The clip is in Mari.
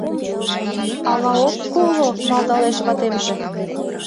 — Ала ок коло? — малдалеш ватемже.